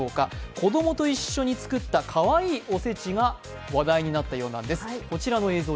子供と一緒に作ったかわいいおせちが話題になったようなんです。